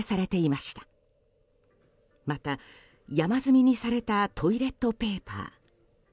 また、山積みにされたトイレットペーパー。